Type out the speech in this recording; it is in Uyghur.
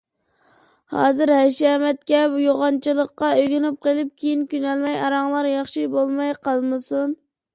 ھازىر ھەشەمەتكە، يوغانچىلىققا ئۆگىنىپ قېلىپ، كېيىن كۆنەلمەي ئاراڭلار ياخشى بولماي قالمىسۇن.